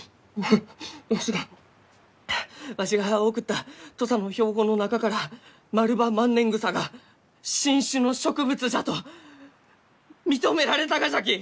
わわしがわしが送った土佐の標本の中からマルバマンネングサが新種の植物じゃと認められたがじゃき！